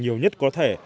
nhiều nhất có thể